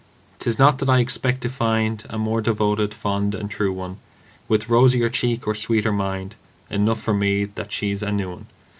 'Tis not that I expect to find A more devoted, fond and true one, With rosier cheek or sweeter mind Enough for me that she's a new one.